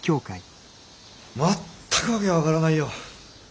全く訳が分からないよ。